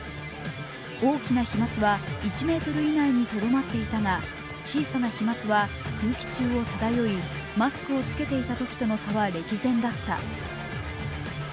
大きな飛まつは１ｍ以内にとどまっていたが小さな飛まつは空気中を漂いマスクを着けていたときとの差は歴然だった。